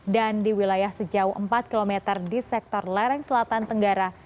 dan di wilayah sejauh empat km di sektor lereng selatan tenggara